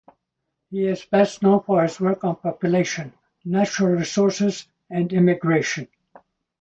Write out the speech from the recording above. He is best known for his work on population, natural resources, and immigration.